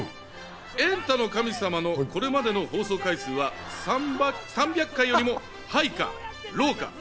『エンタの神様』のこれまでの放送回数は３００かよりもハイか、ローか？